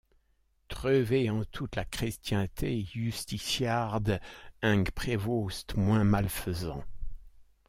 Treuvez en toute la chrestienté iusticiarde ung prevost moins malfaisant!